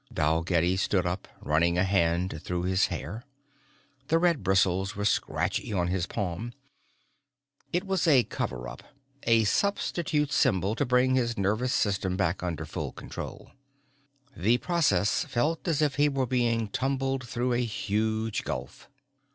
Dalgetty stood up, running a hand through his hair. The red bristles were scratchy on his palm. It was a cover up, a substitute symbol to bring his nervous system back under full control. The process felt as if he were being tumbled through a huge gulf.